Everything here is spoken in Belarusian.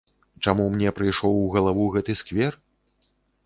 Чаму мне прыйшоў у галаву гэты сквер?